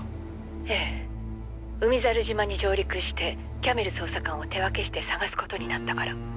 ええ海猿島に上陸してキャメル捜査官を手分けして捜す事になったから。